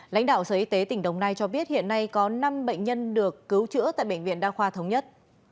lãnh đạo sở y tế tỉnh đồng nai cho biết hiện nay có năm bệnh nhân được cứu chữa tại bệnh viện đa khoa thống nhất